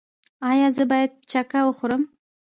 ایا زه باید چکه وخورم؟